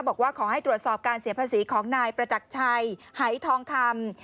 บอกว่าขอให้ตรวจสอบการเสียภาษีของนายประจักรชัยหายทองคำ